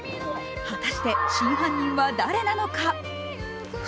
果たして真犯人は誰なのか。